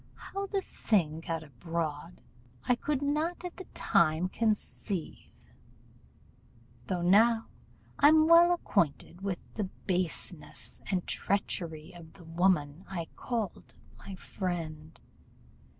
How the thing got abroad I could not at the time conceive, though now I am well acquainted with the baseness and treachery of the woman I called my friend.